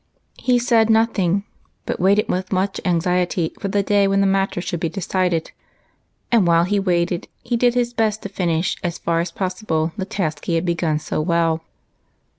He said nothing, but waited with much anxiety for the day when the matter should be decided ; and while he waited he did his best to finish as far as pos sible the task he had begun so well.